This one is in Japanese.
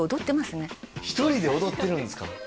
１人で踊ってるんですか？